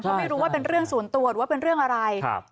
ก็ไม่รู้ว่าเป็นเรื่องส่วนตัวหรือว่าเป็นเรื่องอะไรครับ